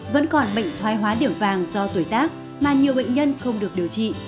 vẫn còn bệnh thoái hóa điểm vàng do tuổi tác mà nhiều bệnh nhân không được điều trị